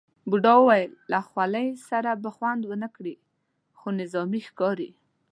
بوډا وویل له خولۍ سره به خوند ونه کړي، خو نظامي ښکاري.